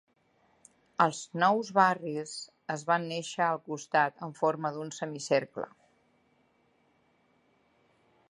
Els nous barris es van néixer al costat en forma d'un semicercle.